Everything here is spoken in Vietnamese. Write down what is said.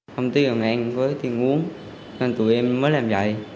không tiêu dùng ăn với tiền uống nên tụi em mới làm vậy